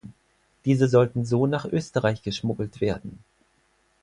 Diese sollten so nach Österreich geschmuggelt werden.